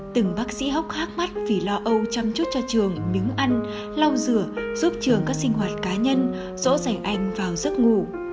từng bác sĩ hóc hác mắt vì lo âu chăm chút cho trường miếng ăn lau rửa giúp trường các sinh hoạt cá nhân rỗ rảnh anh vào giấc ngủ